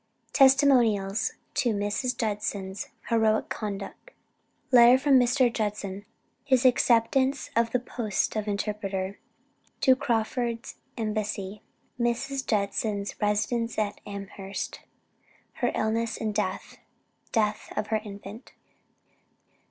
TESTIMONIALS TO MRS. JUDSON'S HEROIC CONDUCT. LETTER FROM MR. JUDSON HIS ACCEPTANCE OF THE POST OF INTERPRETER TO CRAWFORD'S EMBASSY. MRS. JUDSON'S RESIDENCE AT AMHERST. HER ILLNESS AND DEATH DEATH OF HER INFANT.